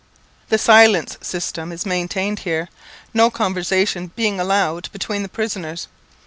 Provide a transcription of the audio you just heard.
The silence system is maintained here, no conversation being allowed between the prisoners.